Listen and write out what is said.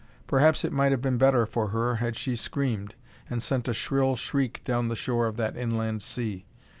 Perhaps it might have been better for her had she screamed, and sent a shrill shriek down the shore of that inland sea.